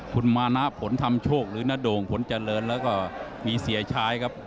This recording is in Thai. คุณมานะผลทำโชคหรือนโด่งผลเจริญแล้วก็มีเสียชายครับ